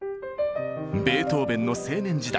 ベートーベンの青年時代。